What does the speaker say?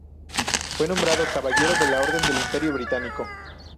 Fue nombrado caballero de la Orden del Imperio Británico.